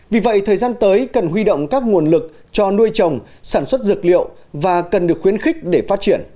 vì vậy thời gian tới cần huy động các nguồn lực cho nuôi trồng sản xuất dược liệu và cần được khuyến khích để phát triển